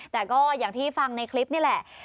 แต่ก็อย่างที่ฟังในคลิปนี่แหละ